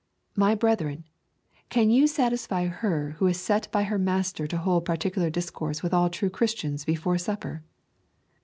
My brethren, can you satisfy her who is set by her Master to hold particular discourse with all true Christians before supper?